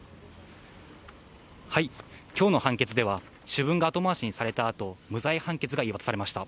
きょうの判決では、主文が後回しにされたあと、無罪判決が言い渡されました。